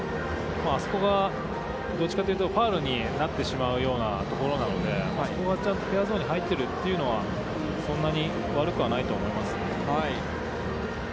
あそこがどっちかというとファウルになってしまうようなところなので、それがフェアゾーンに入ってるというのは、そんなに悪くはないと思いますね。